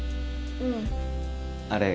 うんあれ